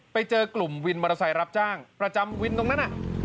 ไปเจอกลุ่มวินมอเตอร์ไซค์รับจ้างประจำวินตรงนั้น